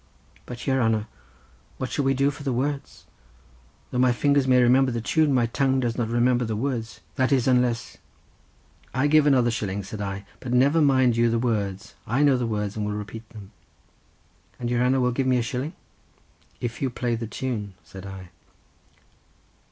"But, your hanner, what shall we do for the words? Though my fingers may remember the tune, my tongue does not remember the words—that is unless ..." "I give another shilling," said I; "but never mind you the words; I know the words, and will repeat them." "And your hanner will give me a shilling?" "If you play the tune," said I.